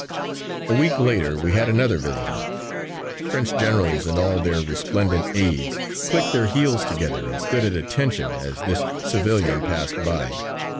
A week later we had another visitor. French generals and all their resplendent aides clicked their heels together and stood at attention as this civilian passed by.